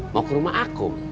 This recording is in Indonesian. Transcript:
mau ke rumah akum